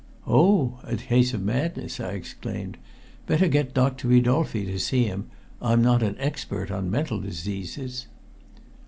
"Oh! a case of madness!" I exclaimed. "Better get Doctor Ridolfi to see him. I'm not an expert on mental diseases."